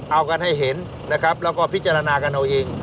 เอากันให้เห็นนะครับแล้วก็พิจารณากันเอาเอง